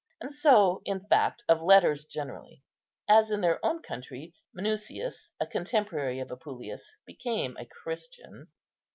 And so, in fact, of letters generally; as in their own country Minucius, a contemporary of Apuleius, became a Christian.